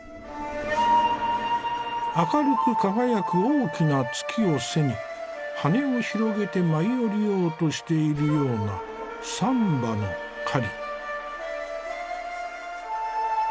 明るく輝く大きな月を背に羽を広げて舞い降りようとしているような３羽の雁。